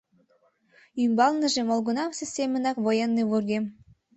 Ӱмбалныже молгунамсе семынак военный вургем.